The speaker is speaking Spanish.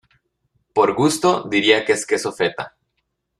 Por gusto, diría que es queso feta.